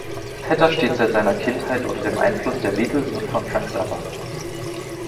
Vetter steht seit seiner Kindheit unter dem Einfluss der Beatles und von Frank Zappa.